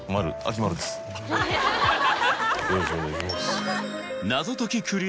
よろしくお願いします。